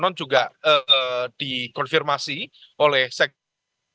dan konon juga dikonfirmasi oleh sekretaris pdip